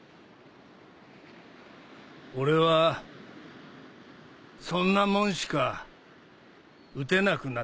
俺はそんなもんしか打てなくなった